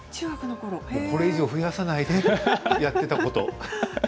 これ以上、増やさないでやっていたこと。